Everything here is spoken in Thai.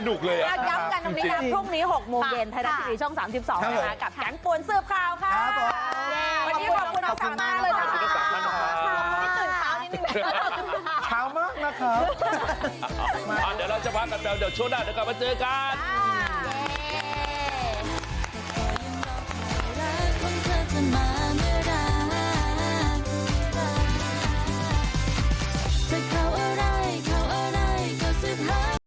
เดี๋ยวเราจะพักกันแป๊บเดี๋ยวช่วงหน้าเดี๋ยวกลับมาเจอกัน